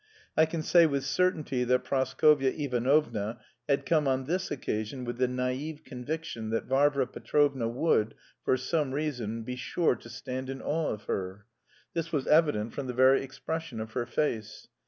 I can say with certainty that Praskovya Ivanovna had come on this occasion with the naïve conviction that Varvara Petrovna would, for some reason, be sure to stand in awe of her. This was evident from the very expression of her face.